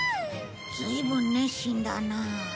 ずいぶん熱心だなあ。